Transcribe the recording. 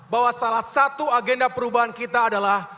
bahwa salah satu agenda perubahan kita adalah